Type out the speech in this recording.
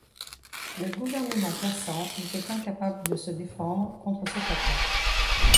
Le gouvernement Persan était incapable de se défendre contre cette attaque.